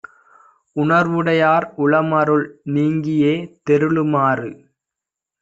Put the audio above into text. உணர்வுடையார் உளமருள் நீங்கியே தெருளுமாறு